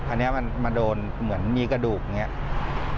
อันนี้มันมาโดนเหมือนมีกระดูกอย่างนี้